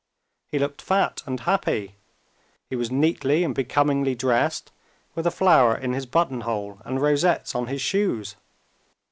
He looked fat and happy; he was neatly and becomingly dressed, with a flower in his button hole and rosettes on his shoes.